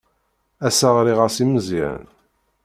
Ass-a ɣriɣ-as i Meẓyan.